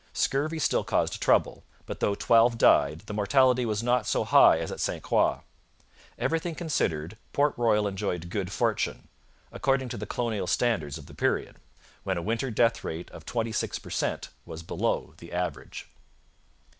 Scurvy still caused trouble; but though twelve died, the mortality was not so high as at St Croix. Everything considered, Port Royal enjoyed good fortune according to the colonial standards of the period, when a winter death rate of twenty six per cent was below the average.